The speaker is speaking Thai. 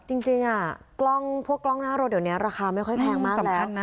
จริงกล้องพวกกล้องหน้ารถเดี๋ยวนี้ราคาไม่ค่อยแพงมากแล้ว